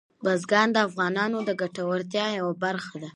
بزګان د افغانانو د ګټورتیا یوه برخه ده.